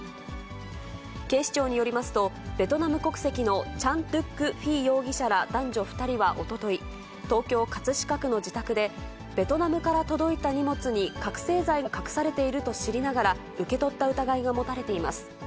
警視庁によりますと、ベトナム国籍のチャン・ドゥック・フィー容疑者ら男女２人はおととい、東京・葛飾区の自宅でベトナムから届いた荷物に覚醒剤が隠されていると知りながら、受け取った疑いが持たれています。